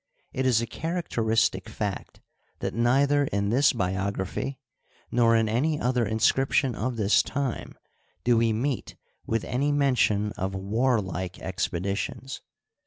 It is a characteristic fact that neither in this biography nor in any other inscription of this time do we meet with any mention of warlike expeditions.